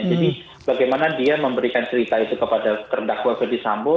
jadi bagaimana dia memberikan cerita itu kepada terdakwa fadis sambo